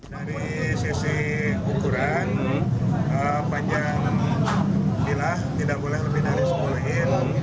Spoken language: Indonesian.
dari sisi ukuran panjang bilah tidak boleh lebih dari sepuluh in